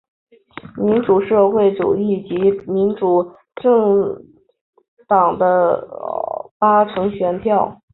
民主社会主义及民主政党得到八成选票。